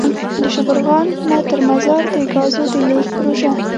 دشبرغان -مزار دګازو دلیږد پروژه.